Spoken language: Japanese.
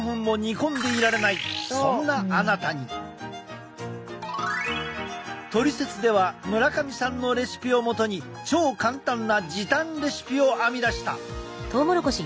でも「トリセツ」では村上さんのレシピをもとに超簡単な時短レシピを編み出した。